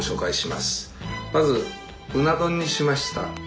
まずうな丼にしました。